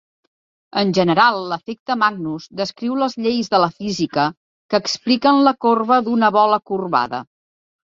En general, l'efecte Magnus descriu les lleis de la física que expliquen la corba d'una bola corbada.